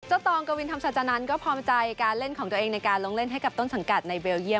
ตองกวินธรรมศาจานันทร์ก็พร้อมใจการเล่นของตัวเองในการลงเล่นให้กับต้นสังกัดในเบลเยี่